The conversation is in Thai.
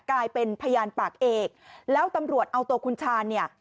กลายเป็นพยานปากเอกแล้วตำรวจเอาตัวคุณชาญเนี่ย